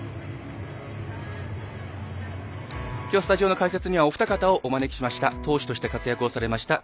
きょうはスタジオの解説にはお二方をお招きしました。